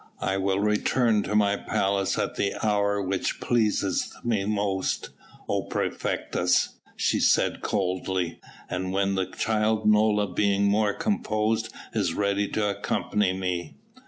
"I will return to my palace at the hour which pleaseth me most, O praefectus," she said coldly, "and when the child Nola, being more composed, is ready to accompany me."